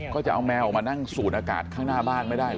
ก็จะเอาแมวออกมานั่งสูดอากาศข้างหน้าบ้านไม่ได้เห